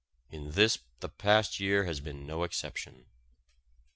In this the past year has been no exception.